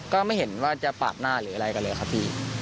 ก็ไม่เห็นว่าจะปาดหน้าหรืออะไรกันเลยครับพี่